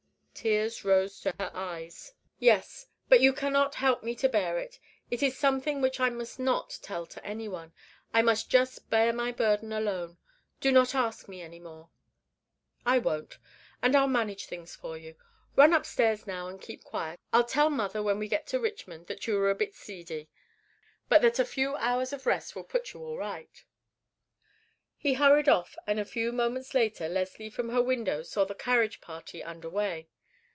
Tears rose to her eyes. "Yes; but you cannot help me to bear it. It is something which I must not tell to anyone. I must just bear my burden alone. Do not ask me any more." "I won't, and I'll manage things for you. Run upstairs now, and keep quiet. I'll tell mother when we get to Richmond that you were a bit seedy; but that a few hours of rest will put you right." He hurried off, and a few moments later Leslie from her window saw the carriage party get under way.